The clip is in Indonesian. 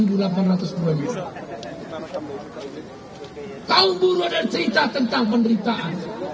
tahun buruh ada cerita tentang penderitaan